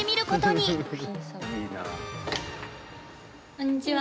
こんにちは。